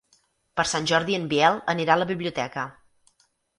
Per Sant Jordi en Biel anirà a la biblioteca.